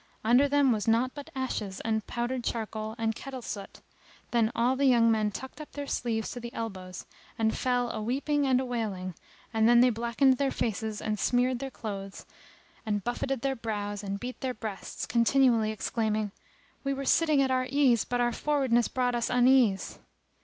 under them was naught but ashes and powdered charcoal and kettle soot. Then all the young men tucked up their sleeves to the elbows and fell a weeping and wailing and they blackened their faces and smeared their clothes and buffetted their brows and beat their breasts, continually exclaiming, "We were sitting at our ease but our frowardness brought us unease!